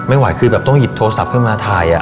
ไหวคือแบบต้องหยิบโทรศัพท์ขึ้นมาถ่าย